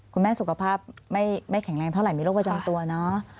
คุณแม่สุขภาพไม่แข็งแรงเท่าไหรมีโรคประจำตัวเนอะ